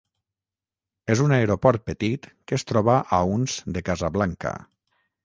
És un aeroport petit que es troba a uns de Casablanca.